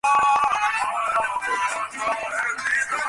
কিন্তু দাদামহাশয় ব্যতীত আর কাহারও কাছে কোনো অবস্থাতেই বিভার মুখ খুলে না।